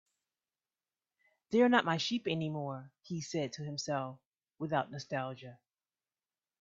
"They're not my sheep anymore," he said to himself, without nostalgia.